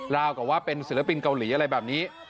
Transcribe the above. กับว่าเป็นศิลปินเกาหลีอะไรแบบนี้